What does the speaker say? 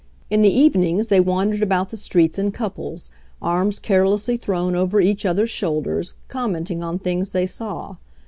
In the evenings they wandered about the streets in couples, arms carelessly thrown over each other's shoulders, commenting on things they saw.